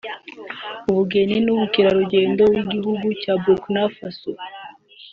Ubugeni n’Ubukerarugendo w’igihugu cya Burkinafaso